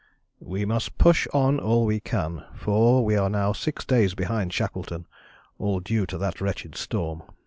" "We must push on all we can, for we are now 6 days behind Shackleton, all due to that wretched storm.